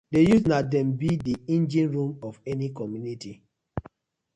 Di youths na dem bi di engine room of any community.